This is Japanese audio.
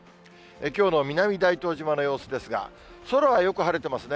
きょうの南大東島の様子ですが、空はよく晴れてますね。